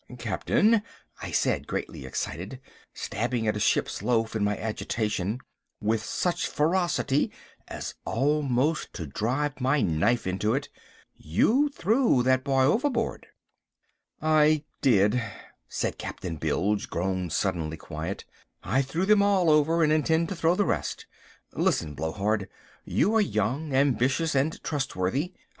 "Captain," I said, greatly excited, stabbing at a ship's loaf in my agitation with such ferocity as almost to drive my knife into it— "You threw that boy overboard!" "I did," said Captain Bilge, grown suddenly quiet, "I threw them all over and intend to throw the rest. Listen, Blowhard, you are young, ambitious, and trustworthy.